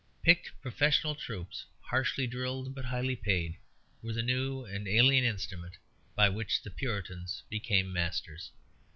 Picked professional troops, harshly drilled but highly paid, were the new and alien instrument by which the Puritans became masters.